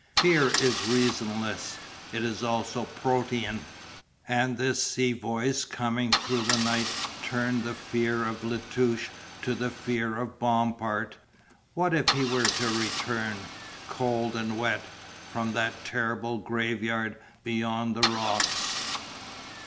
Fear is reasonless, it is also Protean, and this sea voice coming through the night turned the fear of La Touche to the fear of Bompard. What if he were to return, cold and wet, from that terrible grave yard beyond the rocks?